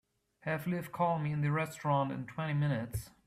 Have Liv call me in the restaurant in twenty minutes.